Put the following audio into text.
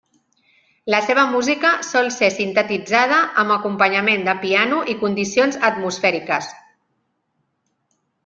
La seva música sol ser sintetitzada amb acompanyament de piano i condicions atmosfèriques.